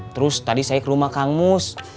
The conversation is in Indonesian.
terus tadi saya ke rumah kang mus